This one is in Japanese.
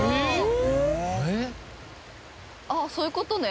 あっそういう事ね。